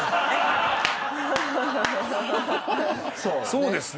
そうですね。